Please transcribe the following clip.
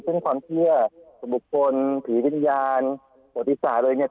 ซึ่งความเชื่อสมบุคคลผิววิญญาณโภติศาสตร์อะไรเงี้ย